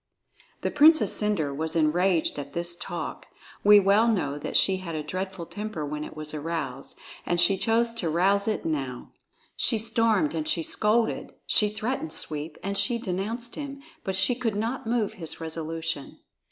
The Princess Cendre was enraged at this talk. We well know that she had a dreadful temper when it was aroused, and she chose to rouse it now. She stormed and she scolded; she threatened Sweep and she denounced him; but she could not move his resolution.